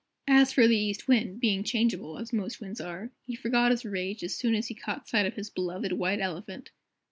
As for the East Wind, being changeable, as most winds are, he forgot his rage as soon as he caught sight of his beloved White Elephant.